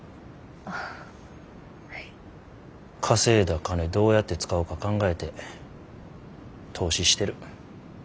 稼いだ金どうやって使おか考えて投資してる。